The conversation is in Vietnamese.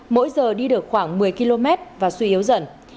mỗi giờ đi được khoảng một mươi km và suy yếu dần